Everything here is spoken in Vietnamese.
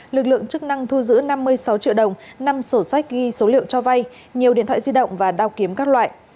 lực lượng chức năng thu giữ năm mươi sáu triệu đồng năm sổ sách ghi số liệu cho vay nhiều điện thoại di động và đao kiếm các loại